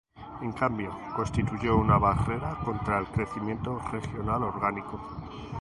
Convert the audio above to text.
En cambio, constituyó una barrera contra el crecimiento regional orgánico.